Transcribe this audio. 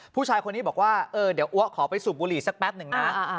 ผู้ชายคนนี้บอกว่าเออเดี๋ยวอัวขอไปสูบบุหรี่สักแป๊บหนึ่งนะ